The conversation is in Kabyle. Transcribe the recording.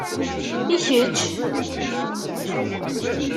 I kečč?